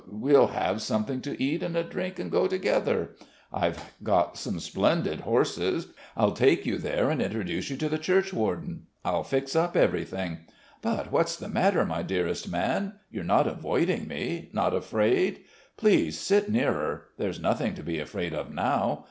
We'll have something to eat and a drink and go together. I've got some splendid horses! I'll take you there and introduce you to the churchwarden.... I'll fix up everything.... But what's the matter, my dearest man? You're not avoiding me, not afraid? Please sit nearer. There's nothing to be afraid of now....